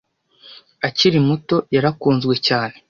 Akiri muto, yarakunzwe cyane.